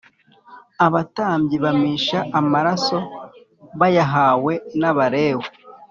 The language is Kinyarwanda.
abatambyi bamisha amaraso bayahawe n Abalewi